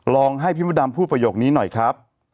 ลองให้พี่มดดำพูดประโยคนี้หน่อยครับ